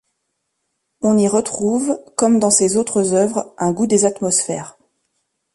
On y retrouve, comme dans ses autres œuvres, un goût des atmosphères.